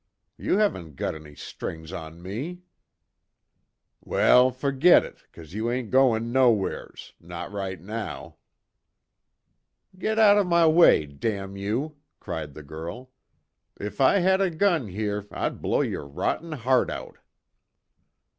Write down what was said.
You haven't got any strings on me!" "Well fergit it, 'cause you ain't goin' nowhere's not right now." "Get out of my way! Damn you!" cried the girl, "If I had a gun here, I'd blow your rotten heart out!"